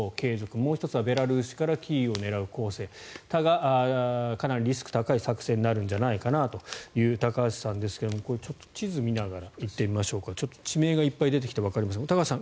もう１つはベラルーシからキーウを狙う攻勢だがかなりリスクが高い作戦になるんじゃないかなという高橋さんですが地図を見ながらいってみましょう地名がいっぱい出てきてわかりづらいですが高橋さん